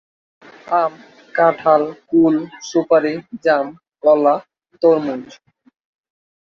আম, কাঁঠাল, কুল, সুপারি, জাম, কলা, তরমুজ।